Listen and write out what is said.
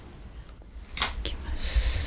いきます。